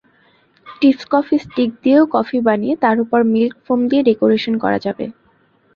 টিপসকফি stick দিয়েও coffee বানিয়ে তার ওপর মিল্ক ফোম দিয়ে ডেকোরেশন করা যাবে।